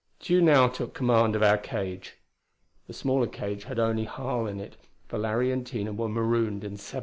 Tugh now took command of our cage. The smaller cage had only Harl in it now, for Larry and Tina were marooned in 1777.